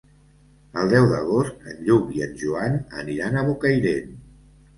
El deu d'agost en Lluc i en Joan aniran a Bocairent.